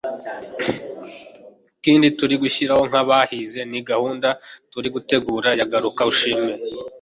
ikindi turi gushyiraho nk'abahize ni gahunda turi gutegura ya garukushime